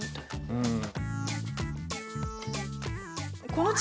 うん。